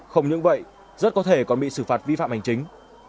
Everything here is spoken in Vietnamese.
không những vậy rất có thể còn bị xử phạt vi phạm hành chính